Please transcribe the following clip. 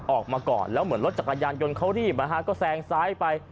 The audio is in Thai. ออกมาก่อนแล้วเหมือนรถจักรยานยนต์เขารีบนะฮะก็แซงซ้ายไป